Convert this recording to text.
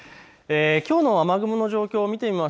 きょうの雨雲の状況です。